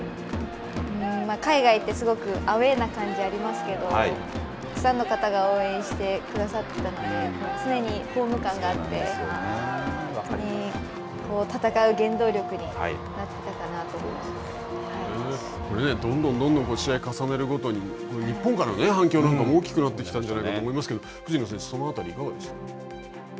海外ってすごくアウェーな感じがありますけど、たくさんの方が応援してくださっていたので、常にホーム感があって、戦う原動力にどんどんどんどん、試合を重ねるごとに、日本からの反響なんかも大きくなったんじゃないかと思いますけど、藤野選手、その辺りはいかがでしたか。